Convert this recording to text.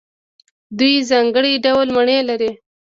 دوی ځانګړي ډول مڼې لري.